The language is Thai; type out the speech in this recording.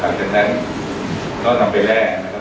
หลังจากนั้นก็นำไปแร่นะครับ